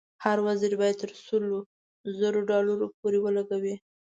هر وزیر باید تر سلو زرو ډالرو پورې ولګوي.